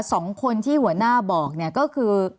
สองคนที่หัวหน้าบอกเนี่ยก็คือ